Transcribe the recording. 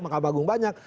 makam agung banyak